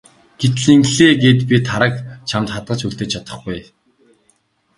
Гэтэл ингэлээ гээд би Тараг чамд хадгалж үлдээж чадахгүй.